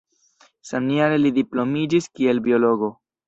Samjare li diplomiĝis kiel biologo.